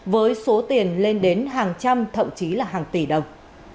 với số tiền lên đến hàng trăm thậm chí là hàng tỷ đồng